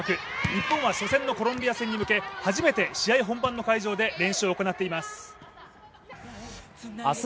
日本は初戦のコロンビア戦に向け、初めて試合本番の会場で練習を行っています。